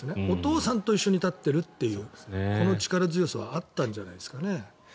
お父さんと一緒に立っているというこの力強さはあったんじゃないですかね。